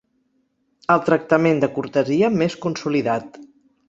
El tractament de cortesia més consolidat.